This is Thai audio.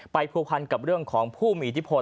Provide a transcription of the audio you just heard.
ผูกพันกับเรื่องของผู้มีอิทธิพล